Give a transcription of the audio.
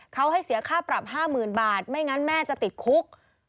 เขาให้เสียค่าปรับ๕๐๐๐บาทไม่งั้นแม่จะติดคุก